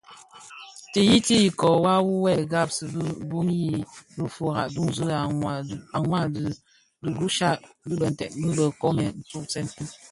Ti yiyiti ikōō wua wu bë ghaksi bi duň yi lufira duňzi a mwadingusha Bitënten bi bë nkoomèn ntusèn.